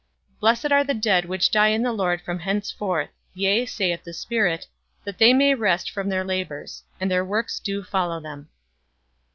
"Blessed are the dead which die in the Lord from henceforth: Yea, saith the Spirit, that they may rest from their labors; and their works do follow them."